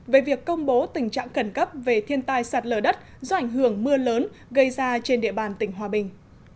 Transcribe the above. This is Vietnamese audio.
về việc công bố tình trạng khẩn cấp về thiên tai sạt lở đất do ảnh hưởng mưa lớn gây ra trên địa bàn tỉnh hòa bình